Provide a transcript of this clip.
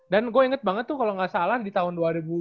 dan gue inget banget tuh kalo gak salah di tahun